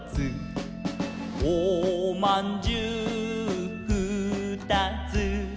「おまんじゅうふーたつ」